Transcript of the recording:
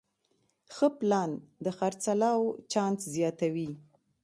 ښه پلان د خرڅلاو چانس زیاتوي.